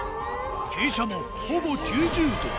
傾斜もほぼ９０度。